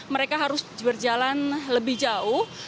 mereka harus berjalan lebih jauh